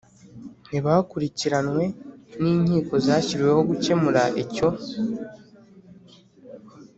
ntibakurikiranwe n'inkiko zashyiriweho gukemura icyo